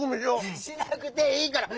しなくていいから！